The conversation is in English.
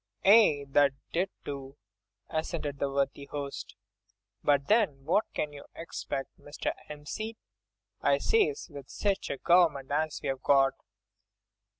"Aye! that it do," assented the worthy host, "but then what can you 'xpect, Mr. 'Empseed, I says, with sich a government as we've got?"